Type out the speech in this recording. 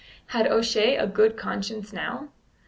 Had O'Shea a good conscience now?